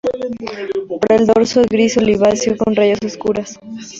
Por el dorso es gris oliváceo, con rayas oscuras.